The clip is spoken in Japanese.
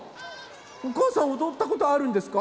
おかあさんおどったことあるんですか？